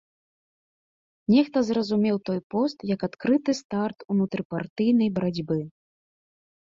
Нехта зразумеў той пост як адкрыты старт унутрыпартыйнай барацьбы.